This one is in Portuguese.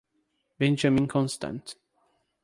Benjamin Constant